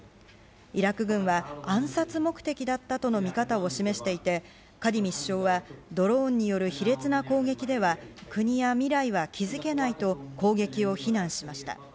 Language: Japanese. イラク軍は暗殺目的だったとの見方を示していてカディミ首相はドローンによる卑劣な攻撃では国や未来は築けないと攻撃を非難しました。